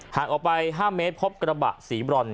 ออกไป๕เมตรพบกระบะสีบรอน